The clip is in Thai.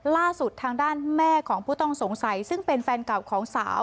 ล่าสุดทางด้านแม่ของผู้ต้องสงสัยซึ่งเป็นแฟนเก่าของสาว